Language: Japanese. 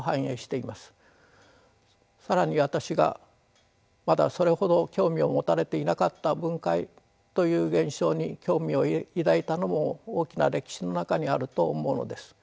更に私がまだそれほど興味を持たれていなかった分解という現象に興味を抱いたのも大きな歴史の中にあると思うのです。